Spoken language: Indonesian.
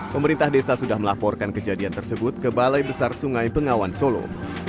pemerintah desa sudah melaporkan kejadian tersebut ke balai besar sungai bengawan solo